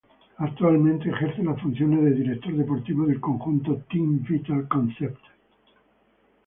Actualmente ejerce las funciones de director deportivo del conjunto Team Vital Concept.